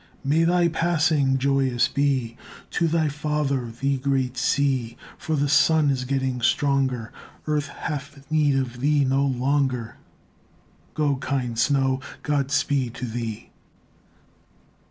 May thy passing joyous be To thy father, the great sea, For the sun is getting stronger; Earth hath need of thee no longer; Go, kind snow, God speed to thee!